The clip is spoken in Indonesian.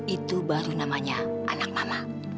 itu baru namanya anak mama